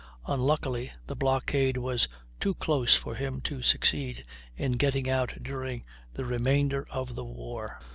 Unluckily the blockade was too close for him to succeed in getting out during the remainder of the war.